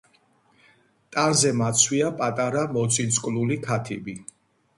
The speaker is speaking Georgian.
ტანზე მაცვია პატარა მოწინწკლული ქათიბი.